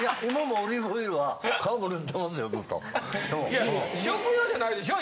いや食用じゃないでしょ？